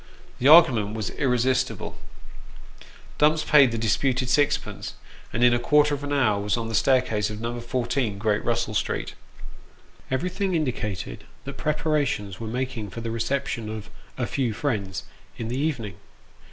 The argument was irresistible : Dumps paid the disputed sixpence, and in a quarter of an hour was on the staircase of No. 14, Great Russell Street. Everything indicated that preparations were making for the recep tion of " a few friends " in the evening.